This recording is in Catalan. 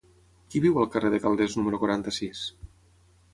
Qui viu al carrer de Calders número quaranta-sis?